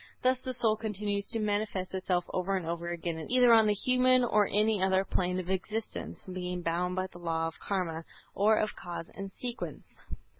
Thus the soul continues to manifest itself over and over again either on the human or any other plane of existence, being bound by the Law of Karma or of Cause and Sequence.